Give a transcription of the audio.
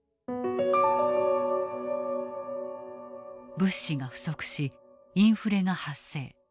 物資が不足しインフレが発生。